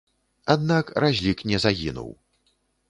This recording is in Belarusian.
Аднак разлік не загінуў.